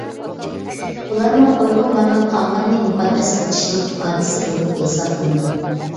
بۇلارمۇ ئۇيغۇرلارنىڭ تاغلارنى مۇقەددەس بىلىشىنىڭ ئىپادىسى بولۇپ ھېسابلىنىدۇ.